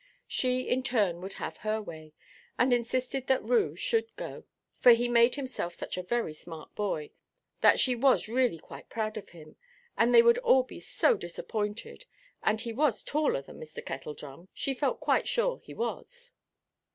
She in turn would have her way, and insisted that Rue should go, "for he had made himself such a very smart boy, that she was really quite proud of him, and they would all be so disappointed, and he was taller than Mr. Kettledrum, she felt quite sure he was."